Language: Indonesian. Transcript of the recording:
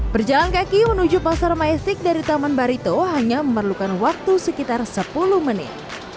berjalan kaki menuju pasar majesik dari taman barito hanya memerlukan waktu sekitar sepuluh menit